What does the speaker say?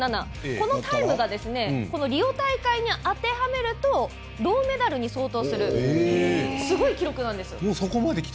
このタイムがリオ大会に当てはめると銅メダルに相当するすごい記録なんです。